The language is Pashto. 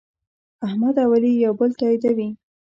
احمد او علي یو بل تأییدوي.